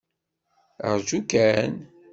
Ṛju kan!